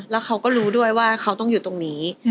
แล้วเขาก็รู้ด้วยว่าเขาต้องอยู่ตรงนี้